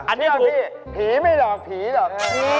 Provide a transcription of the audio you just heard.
อันนี้พี่ผีไม่หลอกผีหรอก